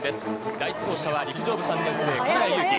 第１走者は陸上部３年生、金谷ゆうき。